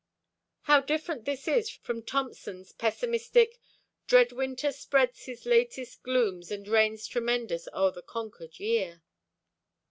How different this from Thomson's pessimistic, Dread winter spreads his latest glooms And reigns tremendous o'er the conquered year.